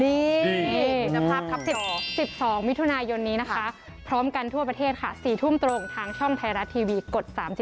อุณหภาพ๑๒วิทยุนายนนี้พร้อมกันทั่วประเทศ๔ทุ่มตรงทางช่องไทยรัฐทีวีกด๓๒